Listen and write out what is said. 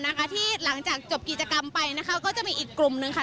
อาทิตย์หลังจากจบกิจกรรมไปนะคะก็จะมีอีกกลุ่มนึงค่ะ